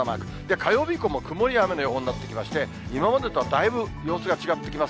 火曜日以降も曇りや雨の予報になってきまして、今までとはだいぶ様子が違ってきます。